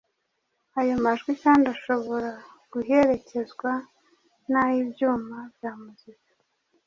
Ayo majwi kandi ashobora guherekezwa n’ay’ibyuma bya muzika